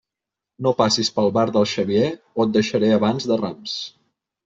No passis pel bar del Xavier o et deixaré abans de Rams.